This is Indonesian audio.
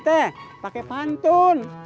kita suka gita pakai pantun